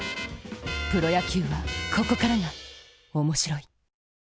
プロ野球はここからが面白い。